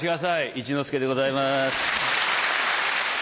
一之輔でございます。